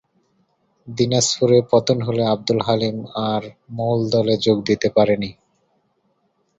দিনাজপুরের পতন হলে আবদুল হালিম আর মূল দলে যোগ দিতে পারেননি।